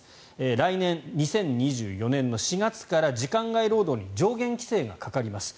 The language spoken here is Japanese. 来年２０２４年の４月から時間外労働に上限規制がかかります。